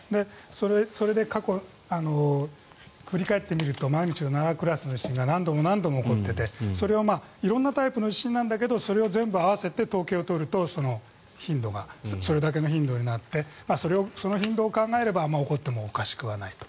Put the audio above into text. それで過去を振り返っているとマグニチュード７クラスの地震が何度も何度も起こっていて色んなタイプの地震なんだけどそれを全部合わせて統計を取るとそれだけの頻度になってその頻度を考えれば起こってもおかしくないと。